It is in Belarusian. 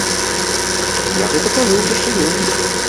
Я гэта кажу ўпершыню.